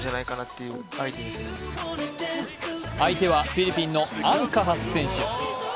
相手はフィリピンのアンカハス選手。